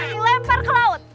dilempar ke laut